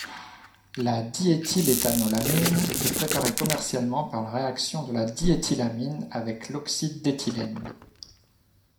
La diéthyléthanolamine est préparée commercialement par la réaction de la diéthylamine avec l'oxyde d'éthylène.